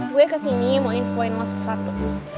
gue kesini mau infoin mau sesuatu